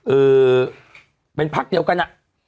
เออเป็นพักเดียวกันอะ